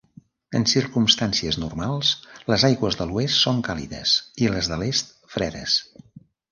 En circumstàncies normals, les aigües de l'oest són càlides i les de l'est fredes.